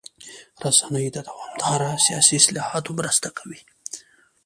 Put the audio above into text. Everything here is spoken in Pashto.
رسنۍ د دوامداره سیاسي اصلاحاتو مرسته کوي.